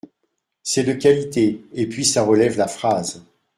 C’est de qualité et puis ça relève la phrase.